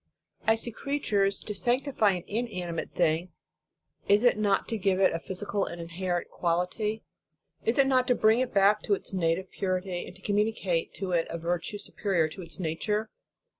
As to creatures, to sanctify an inanimate thing, is it not to give it a physical and in herent quality? Is it not to bring it back to its native purity, and communicate to it a virtue superior to its nature?